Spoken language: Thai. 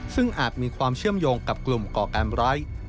ซึ่งอาจมีความเชื่อมโยงกับกลุ่มก่อการร้าย